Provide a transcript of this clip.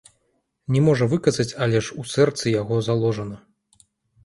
Не можа выказаць, але ж у сэрцы яго заложана.